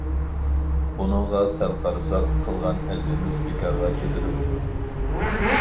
بۇنىڭغا سەل قارىساق، قىلغان ئەجرىمىز بىكارغا كېتىدۇ.